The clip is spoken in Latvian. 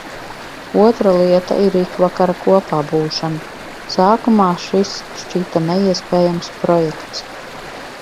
Otra lieta ir ikvakara kopābūšana. Sākumā šis šķita neiespējams projekts.